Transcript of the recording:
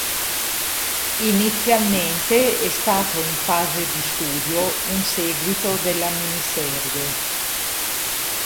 Inizialmente è stato in fase di studio un seguito della miniserie.